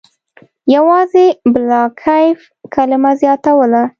یوازې «بلاکیف» کلمه زیاتوله.